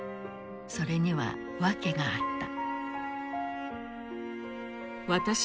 それには訳があった。